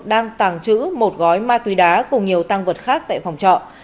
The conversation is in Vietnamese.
đang tàng trữ một gói ma túy đá cùng nhiều tăng vật khác tại phòng trọ